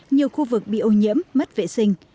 nhiều khu vực bị ô nhiễm mất vệ sinh